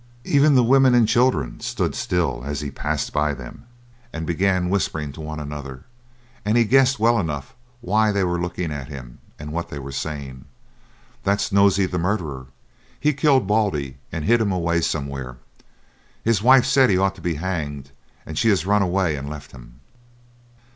Even the women and children stood still as he passed by them, and began whispering to one another, and he guessed well enough why they were looking at him and what they were saying "That's Nosey the murderer; he killed Baldy and hid him away somewhere; his wife said he ought to be hanged, and she has run away and left him."